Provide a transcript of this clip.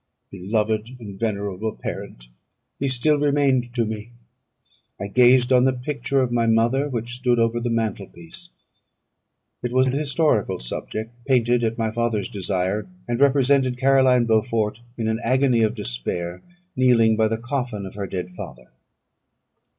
Beloved and venerable parent! He still remained to me. I gazed on the picture of my mother, which stood over the mantel piece. It was an historical subject, painted at my father's desire, and represented Caroline Beaufort in an agony of despair, kneeling by the coffin of her dead father.